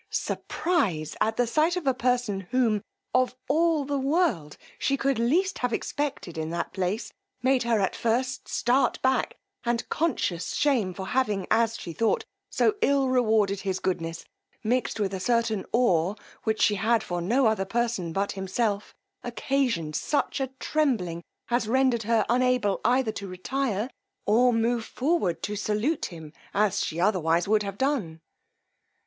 Surprize at the sight of a person whom, of all the world, she could least have expected in that place, made her at first start back; and conscious shame for having, as she thought, so ill rewarded his goodness, mixed with a certain awe which she had for no other person but himself, occasioned such a trembling, as rendered her unable either to retire or move forward to salute him, as she otherwise would have done.